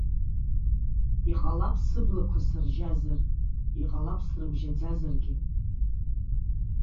Иҟалап сыблақәа сыржьазар, иҟалап срымжьаӡазаргьы.